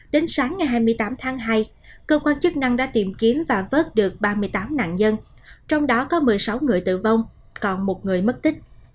đến sáng ngày hai mươi tám tháng hai cơ quan chức năng đã tìm kiếm và vớt được ba mươi tám nạn nhân trong đó có một mươi sáu người tử vong còn một người mất tích